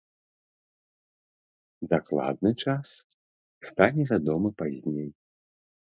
Дакладны час стане вядомым пазней.